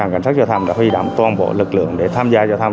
cảnh sát giao thông đã huy động toàn bộ lực lượng để tham gia giao thông